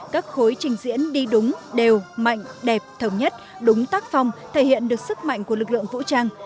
các khối trình diễn đi đúng đều mạnh đẹp thống nhất đúng tác phong thể hiện được sức mạnh của lực lượng vũ trang